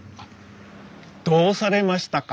どうされましたか？